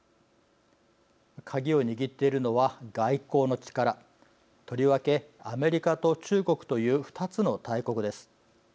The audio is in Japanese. カギを握っているのは外交の力とりわけアメリカと中国という２つの大国です。